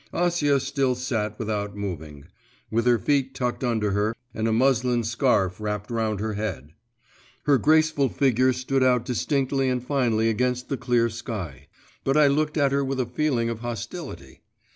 Acia still sat without moving, with her feet tucked under her, and a muslin scarf wrapped round her head; her graceful figure stood out distinctly and finely against the clear sky; but I looked at her with a feeling of hostility.